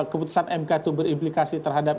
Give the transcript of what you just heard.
keputusan mk itu berimplikasi terhadap